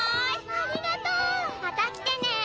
ありがとう！また来てねー！